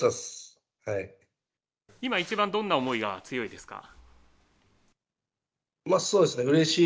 今いちばんどんな思いが強いですか？